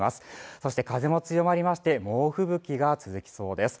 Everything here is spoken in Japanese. そして風も強まりまして猛吹雪が続きそうです